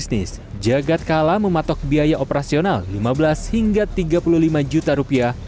sejajar utk modal ke assault di indonesia jadi begitu namanya